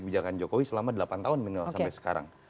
kebijakan jokowi selama delapan tahun minimal sampai sekarang